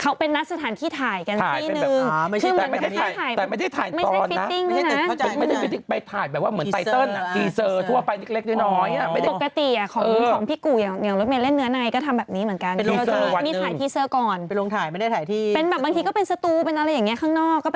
เข้ามานั่งพี่ชอตไหมครับเอาไง